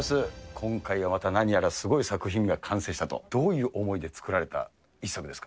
今回はまた何やらすごい作品が完成したと、どういう思いで作られた一作ですか。